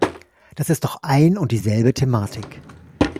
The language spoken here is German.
Das ist doch ein und dieselbe Thematik.